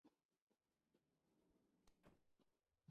جغرافیہ میں دو مکتب فکر ہیں